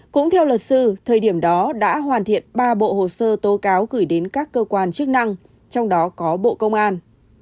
cũng theo luật sư thời điểm đó đã hoàn thiện ba bộ hồ sơ tố cáo gửi đến các cơ quan chức năng trong đó có bộ công an